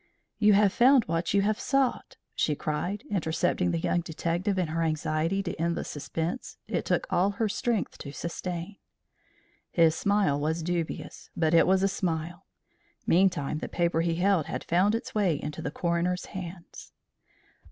"You have found what you have sought!" she cried, intercepting the young detective in her anxiety to end the suspense it took all her strength to sustain. His smile was dubious, but it was a smile. Meantime the paper he held had found its way into the coroner's hands.